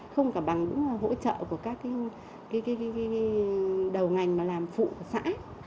không cả bằng hỗ trợ của các đầu ngành mà làm phụ xã